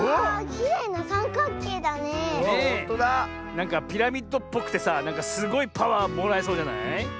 なんかピラミッドっぽくてさすごいパワーもらえそうじゃない？